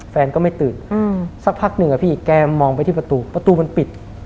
แฟนก็ไม่ตื่นสักพักหนึ่งอะพี่แกมองไปที่ประตูประตูมันปิด